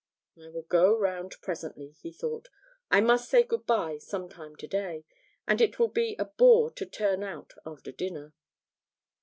'I will go round presently,' he thought. 'I must say good bye some time to day, and it will be a bore to turn out after dinner.'